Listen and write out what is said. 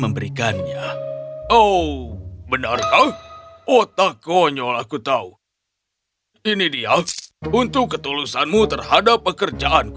memberikannya oh benar kau otak konyol aku tahu ini dia untuk ketulusanmu terhadap pekerjaan